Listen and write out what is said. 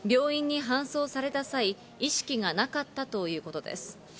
病院に搬送された際、意識がなかったということです。